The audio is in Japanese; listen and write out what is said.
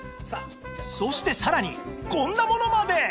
そしてさらにこんなものまで！